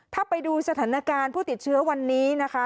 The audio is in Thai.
ถ้าไปดูสถานการณ์ผู้ติดเชื้อวันนี้นะคะ